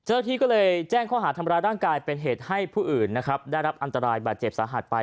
เจ้าที่ก็เลยแจ้งข้ออาหารธรรมดาร่างกายเป็นเหตุให้ผู้อื่นได้รับอันตรายแบบเจ็บสาหัสไป